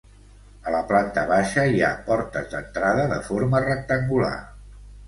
A la planta baixa hi ha portes d'entrada de forma rectangular.